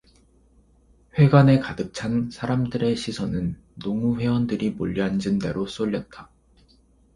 회관에 가득 찬 사람들의 시선은 농우회원들이 몰려 앉은 데로 쏠렸다.